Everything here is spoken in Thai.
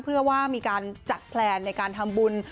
เพื่อว่ามีการจัดแพลนในการทำบุญ